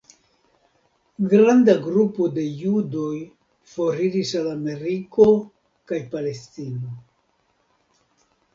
Granda grupo de judoj foriris al Ameriko kaj Palestino.